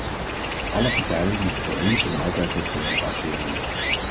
Alle partijen moeten voor eens en altijd het geweld afzweren.